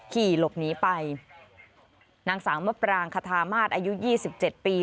ขี่หลบหนีไปนางสาวมะปรางคาทามาศอายุยี่สิบเจ็ดปี